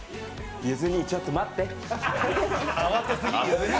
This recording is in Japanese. ゆず兄、ちょっと待って。